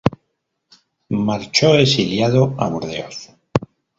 Marchó exiliado a Burdeos.